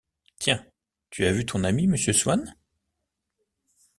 Tiens, tu as vu ton ami Monsieur Swann?